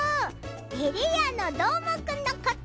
てれやのどーもくんのこと！